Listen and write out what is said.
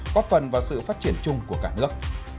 góp phần vào sự phát triển chung của cả nước